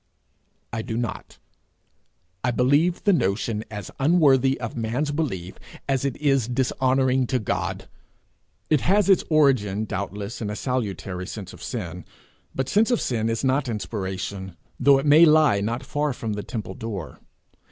I do not. I believe the notion as unworthy of man's belief, as it is dishonouring to God. It has its origin doubtless in a salutary sense of sin; but sense of sin is not inspiration, though it may lie not far from the temple door.